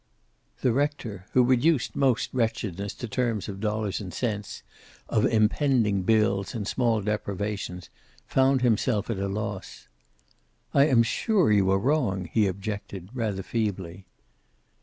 The rector, who reduced most wretchedness to terms of dollars and cents, of impending bills and small deprivations found himself at a loss. "I am sure you are wrong," he objected, rather feebly.